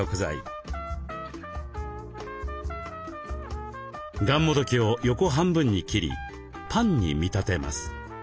がんもどきを横半分に切りパンに見立てます。